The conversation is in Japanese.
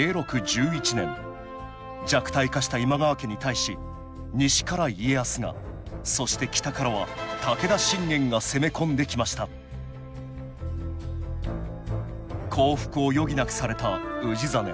弱体化した今川家に対し西から家康がそして北からは武田信玄が攻め込んできました降伏を余儀なくされた氏真。